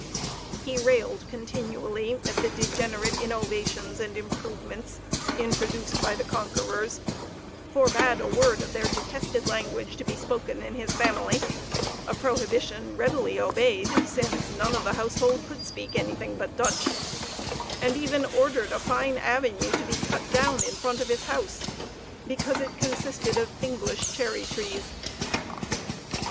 He railed continually at the degenerate innovations and improvements introduced by the conquerors forbade a word of their detested language to be spoken in his family, a prohibition readily obeyed, since none of the household could speak anything but Dutch, and even ordered a fine avenue to be cut down in front of his house because it consisted of English cherry trees.